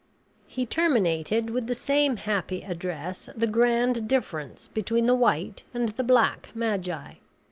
He terminated with the same happy address the grand difference between the white and the black magi.